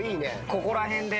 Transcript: ここら辺で。